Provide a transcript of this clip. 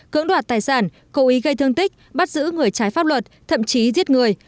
cưỡng đoạt tài sản cầu ý gây thương tích bắt giữ người trái pháp luật thậm chí giết người